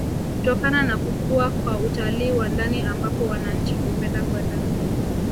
kutokana na kukua kwa utalii wa ndani ambapo wananchi hupenda kwenda